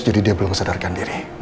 jadi dia belum sadarkan diri